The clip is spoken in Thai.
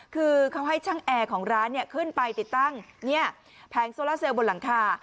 คือเขาให้ช่างแอร์ของร้านขึ้นไปติดตั้งแผงโซล่าเซลบนหลังคา